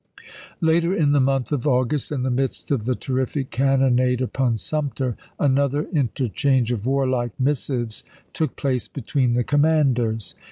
Later in the month of August, in the midst of the terrific cannonade upon Sumter, another inter change of warlike missives took place between the commanders.